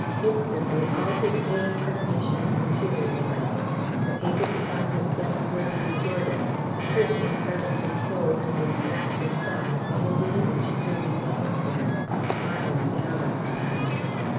Instantly all his vague premonitions materialised. The papers upon his desk were in disorder, the curtain in front of the Soul had been dragged aside, although the Image still remained there, smiling down upon him.